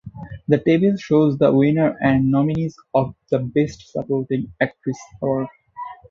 The table shows the winners and nominees for the Best Supporting Actress award.